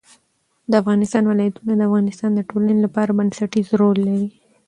د افغانستان ولايتونه د افغانستان د ټولنې لپاره بنسټيز رول لري.